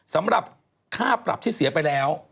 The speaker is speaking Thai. สำหรับค่าปรับที่เสียไปแล้ว